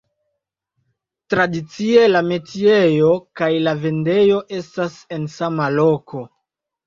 Tradicie, la metiejo kaj la vendejo estas en sama loko.